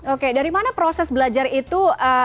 oke dari mana proses belajar itu